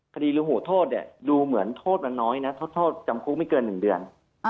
คดีละโหโทษเนี่ยดูเหมือนโทษมันน้อยนะทดโทษจำคลุกไม่เกินหนึ่งเดือน